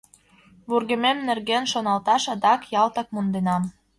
Вургемем нерген шоналташ адак ялтак монденам.